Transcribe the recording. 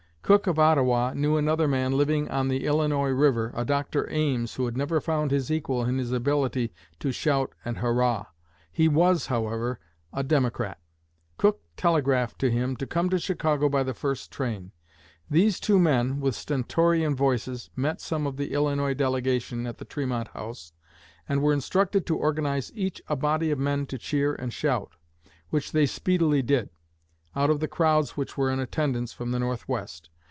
Cook of Ottawa knew another man living on the Illinois river, a Dr. Ames, who had never found his equal in his ability to shout and hurrah. He was, however, a Democrat. Cook telegraphed to him to come to Chicago by the first train. These two men with stentorian voices met some of the Illinois delegation at the Tremont House, and were instructed to organize each a body of men to cheer and shout, which they speedily did, out of the crowds which were in attendance from the Northwest.